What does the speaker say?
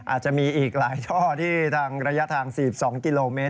อาจจะมีอีกหลายช่อที่ทางระยะทาง๔๒กิโลเมตร